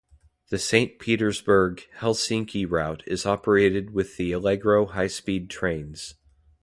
The Saint Petersburg - Helsinki route is operated with the Allegro high-speed trains.